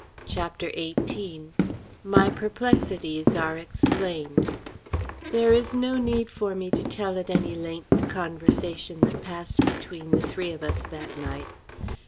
CHAPTER XVIII MY PERPLEXITIES ARE EXPLAINED There is no need for me to tell at any length the conversation that passed between the three of us that night.